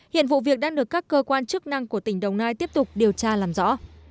hiện vụ việc đang được các cơ quan chức năng của tỉnh đồng nai tiếp tục điều tra làm rõ